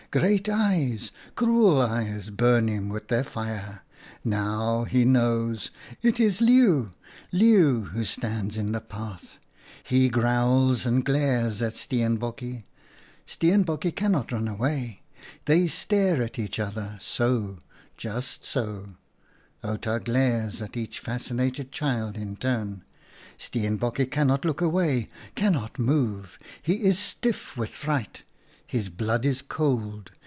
Great eyes — cruel eyes burn him with their fire. Now he knows. It is Leeuw !— Leeuw who stands in the path ! He growls and glares at Steenbokje. Steen bokje cannot turn away. They stare at each other — so — just so —" Outa glares at each fascinated child in turn. " Steenbokje can not look away, cannot move. He is stiff with fright. His blood is cold.